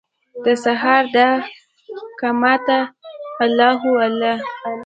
دسهار داقامته الله هو، الله هو